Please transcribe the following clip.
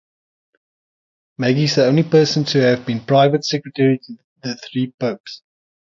Magee is the only person to have been private secretary to three popes.